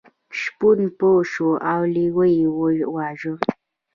شپون پوه شو او لیوه یې وواژه.